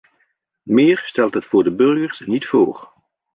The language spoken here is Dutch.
Meer stelt het voor de burgers niet voor.